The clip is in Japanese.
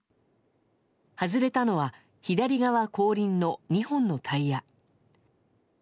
外れたのは左側後輪の２本のタイヤ。